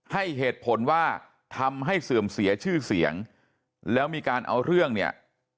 ให้เหตุผลว่าทำให้เสื่อมเสียชื่อเสียงแล้วมีการเอาเรื่องเนี่ย